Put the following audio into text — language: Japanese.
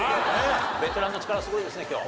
ベテランの力すごいですね今日。